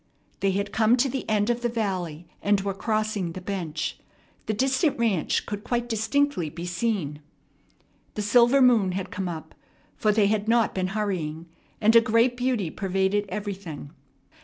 They had come to the end of the valley, and were crossing the bench. The distant ranch could quite distinctly be seen. The silver moon had come up, for they had not been hurrying, and a great beauty pervaded everything.